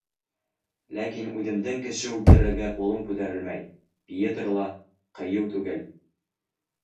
Ләкин үҙемдең кеше үлтерергә ҡулым күтәрелмәй, Пьетро ла ҡыйыу түгел!